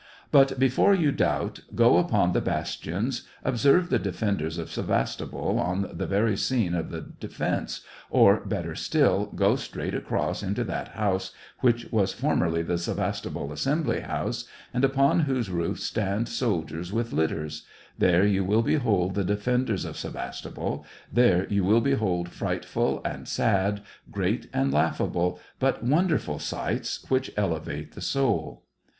But, before you doubt, go upon the bastions, observe the defenders of Sevastopol on the very scene of the defence, or, better still, go straight across into that house, which was formerly the Sevastopol Assembly House, and upon whose roof stand soldiers with litters, — there you will behold the defenders of Sevastopol, there you will behold frightful and sad, great and laughable, but won derful sights, which elevate the soul.